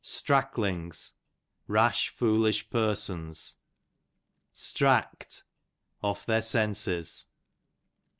Stracklings, rash, foolish persons. Stract, off their senses.